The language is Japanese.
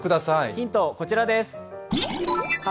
ヒント、こちらです。